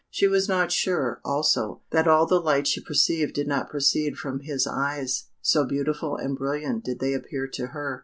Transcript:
She was not sure, also, that all the light she perceived did not proceed from his eyes, so beautiful and brilliant did they appear to her.